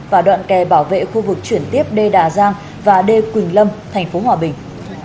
và đoạn kè bảo vệ khu vực chuyển tiếp d đà giang và d quỳnh lâm thành phố hòa bình